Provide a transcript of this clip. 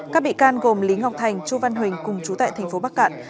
các bị can gồm lý ngọc thành chú văn huỳnh cùng chú tại tp bắc cạn